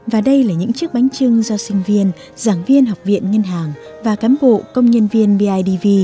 và đây là những chiếc bánh trưng do sinh viên giảng viên học viện ngân hàng và cám bộ công nhân viên bidv